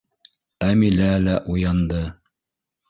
Әмилә лә уянды.